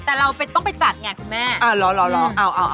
แต่เราต้องไปจัดไงคุณแม่เอาเอา